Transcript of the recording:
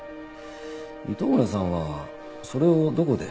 糸村さんはそれをどこで？